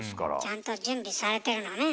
ちゃんと準備されてるのね。